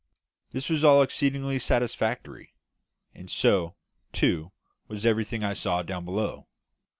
This was all exceedingly satisfactory; and so, too, was everything I saw down below.